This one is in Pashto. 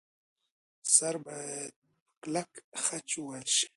سره باید په کلک خج وېل شي.